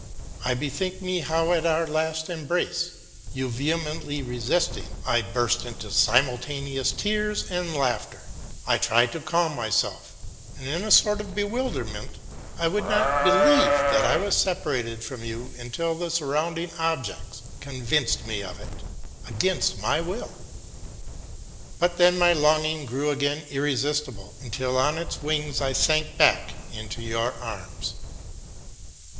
I bethink me how at our last embrace, you vehemently resisting, I burst into simultaneous tears and laughter. I tried to calm myself, and in a sort of bewilderment I would not believe that I was separated from you until the surrounding objects convinced me of it against my will. But then my longing grew again irresistible, until on its wings I sank back into your arms.